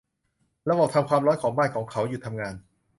ระบบทำความร้อนของบ้านของเขาหยุดทำงาน